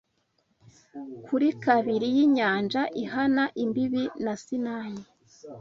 kuri kabiri yinyanja ihana imbibi na Sinayi